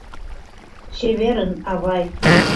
Чеверын, авай.